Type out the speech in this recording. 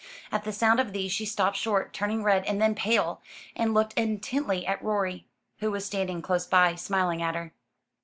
At the sound of these she stopped short, turning red, and then pale, and looked intently at Rorie, who was standing close by, smiling at her.